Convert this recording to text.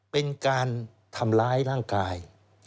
เป็นการทำร้ายร่างกาย